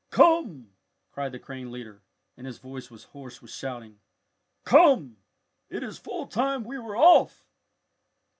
come!" cried the crane leader, and his voice was hoarse with shouting. "Come! It is full time we were off!"